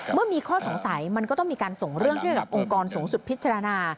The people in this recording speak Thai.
เมื่อมีข้อสงสัยมันก็ต้องมีการส่งเรื่องให้กับองค์กรสูงสุดพิจารณา